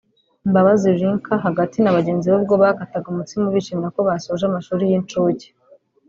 Mbabazi Lynca (hagati) na bagenzi be ubwo bakataga umutsima bishimira ko basoje amashuri y'incuke